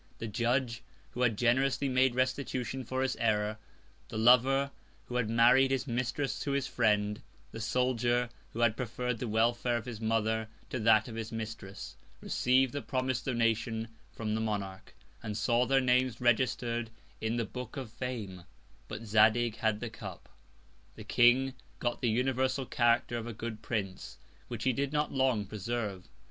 The Judge, who had generously made Restitution for his Error; the Lover, who had married his Mistress to his Friend; the Soldier, who had preferr'd the Welfare of his Mother to that of his Mistress; received the promis'd Donation from the Monarch, and saw their Names register'd in the Book of Fame: But Zadig had the Cup. The King got the universal Character of a good Prince, which he did not long preserve.